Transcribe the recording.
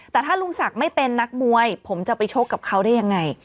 แต่ถ้าลุงศักดิ์ไม่เป็นนักมวยผมจะไปชกกับเขาได้ยังไง